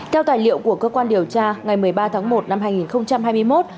theo tài liệu của cơ quan điều tra ngày một mươi ba tháng một năm hai nghìn hai mươi một